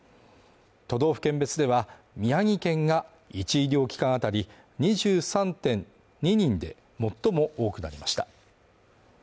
都道府県別では、宮城県が１医療機関当たり２３．２人で最も多くなりました。